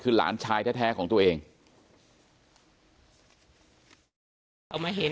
เป็นมีดปลายแหลมยาวประมาณ๑ฟุตนะฮะที่ใช้ก่อเหตุ